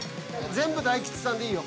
全部大吉さんでいいよ。